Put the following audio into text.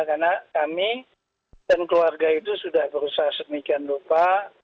karena kami dan keluarga itu sudah berusaha semikian lupa